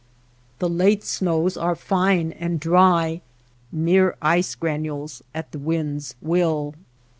The late snows are fine and dry, mere ice granules at the wind's will.